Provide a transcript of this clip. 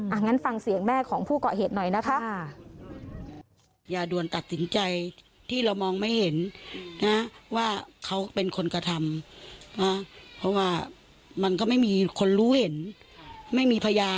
งั้นฟังเสียงแม่ของผู้เกาะเหตุหน่อยนะคะ